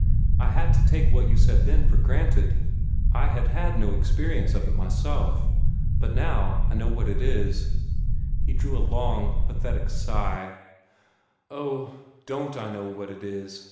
I had to take what you said then for granted. I had had no experience of it myself. But now I know what it is." He drew a long, pathetic sigh. "Oh, DON'T I know what it is!"